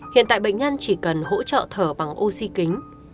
hiện tại bệnh nhân chỉ cần hỗ trợ thở bằng oxy kính